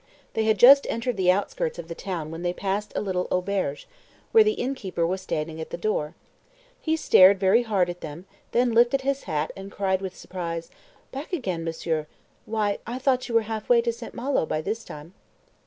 They had just entered the outskirts of the town when they passed a little auberge, where the innkeeper was standing at the door. He stared very hard at them, then lifted his hat, and cried with surprise, "Back again, monsieur; why, I thought you were half way to St. Malo by this time."